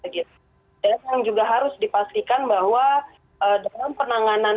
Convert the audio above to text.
dan juga harus dipastikan bahwa dalam penanganan